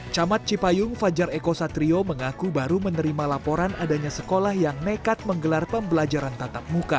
camat cipayung fajar eko satrio mengaku baru menerima laporan adanya sekolah yang nekat menggelar pembelajaran tatap muka